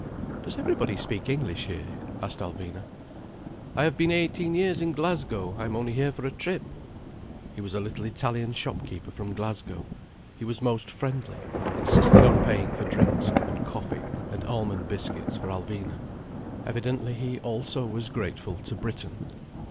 "Does everybody speak English here?" asked Alvina. "I have been eighteen years in Glasgow. I am only here for a trip." He was a little Italian shop keeper from Glasgow. He was most friendly, insisted on paying for drinks, and coffee and almond biscuits for Alvina. Evidently he also was grateful to Britain.